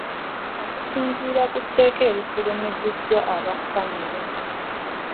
Okusinziira ku nteekateeka efulumiziddwa aba famire.